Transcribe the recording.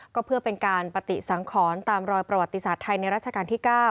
ก็เพื่อเป็นการปฏิสังขรตามรอยประวัติศาสตร์ไทยในราชการที่๙